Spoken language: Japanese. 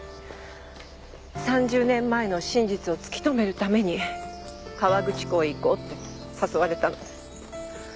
３０年前の真実を突き止めるために河口湖へ行こうって誘われたの。